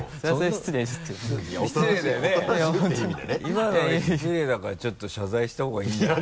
今のは失礼だからちょっと謝罪した方がいいんじゃない？